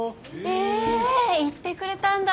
え行ってくれたんだ。